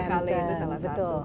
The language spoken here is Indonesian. dover cali itu salah satu